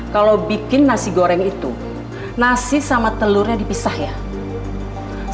kalau membuat nasi goreng itu nasi dan telurnya dipisahkan